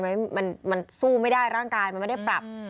มันสู้ไม่ได้ร่างกายมันไม่ได้ปรับ